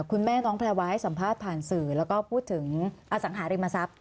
คุณแม่น้องแพรวาให้สัมภาษณ์ผ่านสื่อแล้วก็พูดถึงอสังหาริมทรัพย์